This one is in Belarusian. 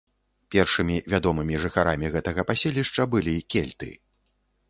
Першымі вядомымі жыхарамі гэтага паселішча былі кельты.